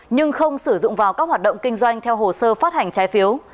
nhưng không sử dụng vào các hoạt động kinh doanh theo hồ sơ phát hành trái phiếu